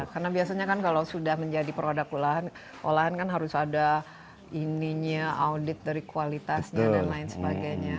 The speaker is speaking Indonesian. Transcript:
karena biasanya kan kalau sudah menjadi produk olahan olahan kan harus ada ininya audit dari kualitasnya dan lain sebagainya